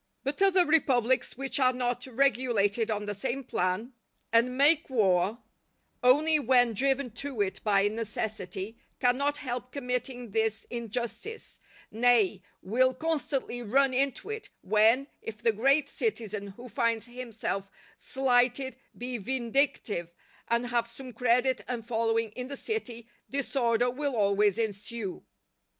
But other republics which are not regulated on the same plan, and make war only when driven to it by necessity, cannot help committing this injustice, nay, will constantly run into it, when, if the great citizen who finds himself slighted be vindictive, and have some credit and following in the city, disorder will always ensue.